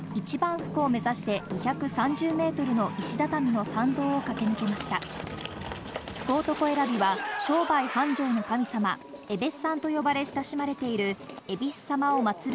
福男選びは商売繁盛の神様、えべっさんと呼ばれ親しまれているえびす様を祭る